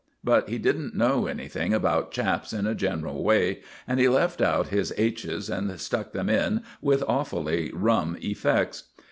But he didn't know anything about chaps in a general way, and he left out his h's and stuck them in with awfully rum effects.